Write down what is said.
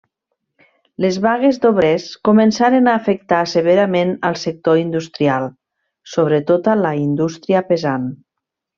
Les vagues d'obrers començaren a afectar severament al sector industrial, sobre tota la indústria pesant.